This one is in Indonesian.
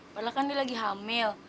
padahal kan dia lagi hamil